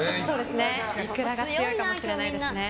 イクラが強いかもしれないですね。